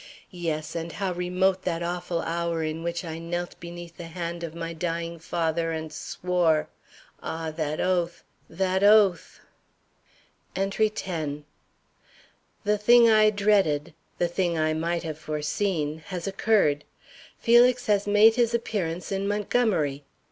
Yes, and how remote that awful hour in which I knelt beneath the hand of my dying father and swore Ah, that oath! That oath! ENTRY X. The thing I dreaded, the thing I might have foreseen, has occurred. Felix has made his appearance in Montgomery.